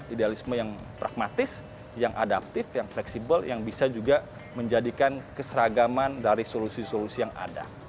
idealisme yang pragmatis yang adaptif yang fleksibel yang bisa juga menjadikan keseragaman dari solusi solusi yang ada